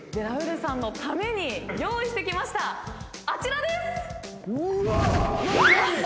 あちらです。